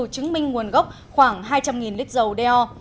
chứng minh nguồn gốc khoảng hai trăm linh lít dầu do